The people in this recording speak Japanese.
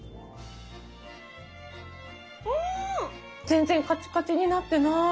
全然カチカチになってない！